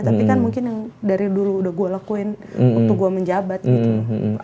tapi kan mungkin yang dari dulu udah gue lakuin waktu gue menjabat gitu